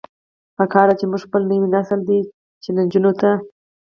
پکار ده چې مونږ خپل نوے نسل دې چيلنجونو ته